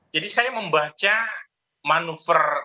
jadi saya membaca manuver